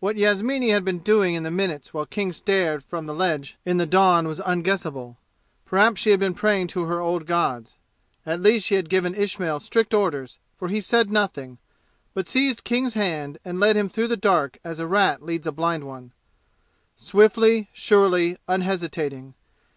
What Yasmini had been doing in the minutes while King stared from the ledge in the dawn was unguessable. Perhaps she had been praying to her old gods. At least she had given Ismail strict orders, for he said nothing, but seized King's hand and led him through the dark as a rat leads a blind one swiftly, surely, unhesitating.